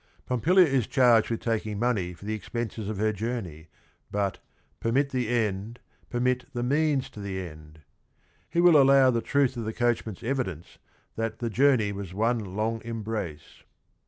Pompilia is charged with taking money for the expenses of her journey, but ".pe rmit th e end, permit the means to the end." He will allow the truth of the coachman , s~evidence that "the journey was one long embrace."